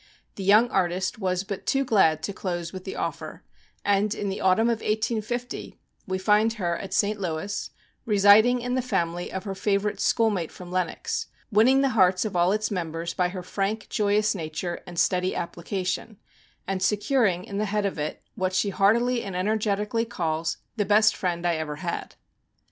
The young artist was but too glad to close with the offer; and, in the autumn of 1850, we find her at St. Louis, residing in the family of her favorite schoolmate from Lenox, winning the hearts of all its members by her frank, joyous nature, and steady application, and securing, in the head of it, what she heart ily and energetically calls " the best friend I ever had."